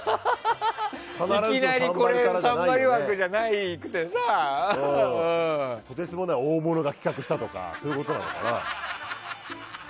いきなり「サンバリュ」からじゃなくてさ。とてつもない大物が企画したとかそういうことなのかな。